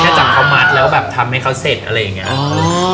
ถ้าจับเขามัดแล้วแบบทำให้เขาเสร็จอะไรอย่างนี้